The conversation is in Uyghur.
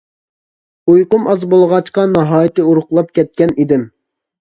ئۇيقۇم ئاز بولغاچقا ناھايىتى ئورۇقلاپ كەتكەن ئىدىم.